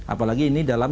apalagi ini dalam